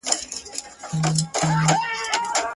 • په زندان کی یې قسمت سو ور معلوم سو ,